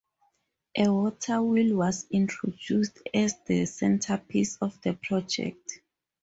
A water wheel was introduced as the centrepiece of the project.